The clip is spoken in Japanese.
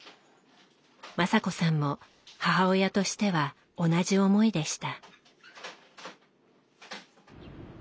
雅子さんも母親としては同じ思いでした。